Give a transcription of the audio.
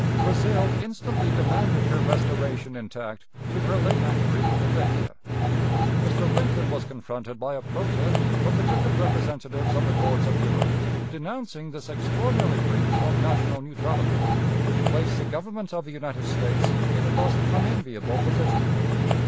Brazil instantly demanded her restoration intact to her late anchorage in Bahia. Mr. Lincoln was confronted by a protest from the different representatives of the courts of Europe, denouncing this extraordinary breach of national neutrality, which placed the Government of the United States in a most unenviable position.